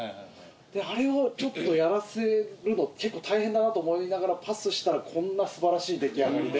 あれをやらせるの結構大変だなと思いながらパスしたらこんな素晴らしい出来上がりで。